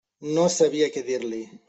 No sabia què dir-li.